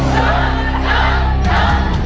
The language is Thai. หยุดหยุดหยุด